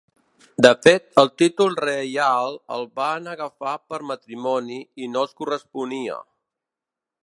De fet el títol reial el van agafar per matrimoni i no els corresponia.